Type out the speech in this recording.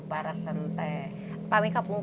pada saat itu